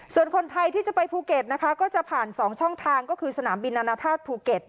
ส่วนคนไทยที่จะไปภูเก็ตนะคะก็จะผ่าน๒ช่องทางก็คือสนามบินอนาธาตุภูเก็ต